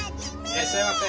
いらっしゃいませ！